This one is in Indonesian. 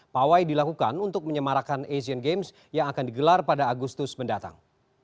pawai dilakukan untuk menyemarakan asian games yang akan digelar pada agustus mendatang